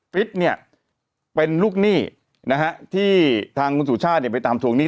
ฟิตเนี่ยเป็นลูกหนี้นะฮะที่ทางคุณสุชาติเนี่ยไปตามทวงหนี้